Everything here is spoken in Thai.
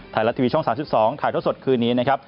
ไทยรัฐทีวีช่อง๓๒ถ่ายท่อสดคืนนี้นะครับ